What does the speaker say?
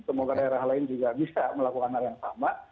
semoga daerah lain juga bisa melakukan hal yang sama